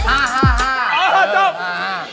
อ่าจบ